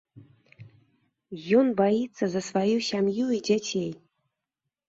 Ён баіцца за сваю сям'ю і дзяцей.